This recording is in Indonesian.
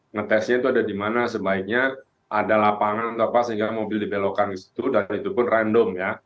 ngetesnya itu ada di mana sebaiknya ada lapangan atau apa sehingga mobil dibelokkan ke situ dan itu pun random ya